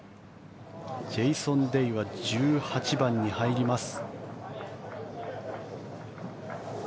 ジェイソン・デイは１８番に入ります。